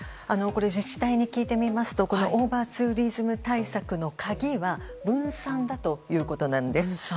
自治体に聞いてみますとオーバーツーリズム対策の鍵は分散だということです。